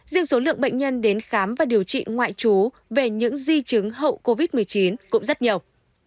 riêng số lượng bệnh nhân đến khám và điều trị ngoại trú về những di chứng hậu covid một mươi chín cũng rất nhiều